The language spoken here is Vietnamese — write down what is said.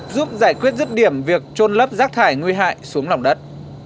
giúp giải quyết rứt điểm việc trôn lấp rác thải nguy hại xuống lòng đất